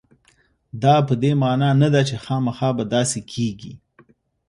دا په دې معنا نه ده چې خامخا به داسې کېږي.